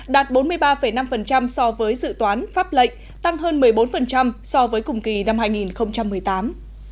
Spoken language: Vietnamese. đạt bốn mươi ba năm so với dự toán pháp lệnh tăng hơn một mươi bốn so với cùng kỳ năm hai nghìn một mươi tám